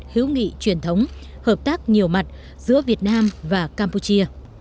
hữu nghị truyền thống hợp tác nhiều mặt giữa việt nam và campuchia